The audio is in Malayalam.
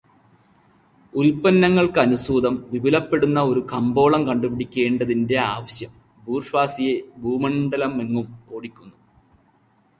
ഉല്പന്നങ്ങൾക്കു് അനുസ്യൂതം വിപുലപ്പെടുന്ന ഒരു കമ്പോളം കണ്ടുപിടിക്കേണ്ടതിന്റെ ആവശ്യം ബൂർഷ്വാസിയെ ഭൂമണ്ഡലമെങ്ങും ഓടിക്കുന്നു.